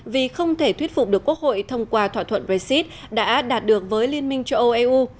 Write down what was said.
vì không thể thuyết phục được quốc hội thông qua thỏa thuận brexit đã đạt được với liên minh châu âu eu